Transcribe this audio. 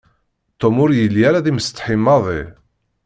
Tom ur yelli ara d imsetḥi maḍi.